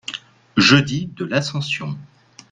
Jeudi de l’Ascension.